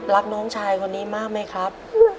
รักน้องชายคนนี้มากไหมครับ